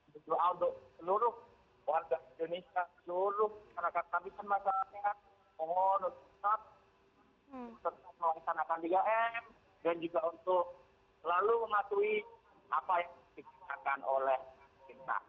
jadi doa untuk seluruh warga indonesia seluruh anak anak kami semoga sehat semoga sehat serta melaksanakan tiga m dan juga untuk selalu mengatui apa yang disampaikan oleh kita